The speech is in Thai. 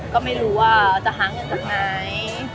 ก็ไม่รู้ว่าจะหาเงินจากไหน